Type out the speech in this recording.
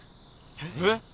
えっ？